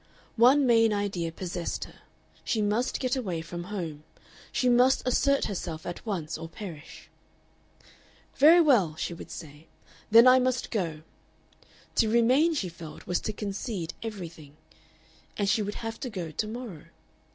One main idea possessed her: she must get away from home, she must assert herself at once or perish. "Very well," she would say, "then I must go." To remain, she felt, was to concede everything. And she would have to go to morrow.